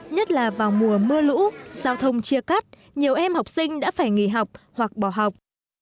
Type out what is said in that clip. nhất là vào mùa mưa lũ giao thông chia cắt nhiều em học sinh đã phải nghỉ học hoặc bỏ học